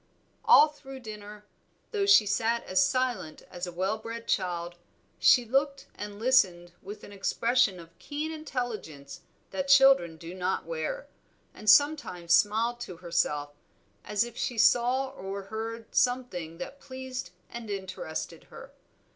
All through dinner, though she sat as silent as a well bred child, she looked and listened with an expression of keen intelligence that children do not wear, and sometimes smiled to herself, as if she saw or heard something that pleased and interested her.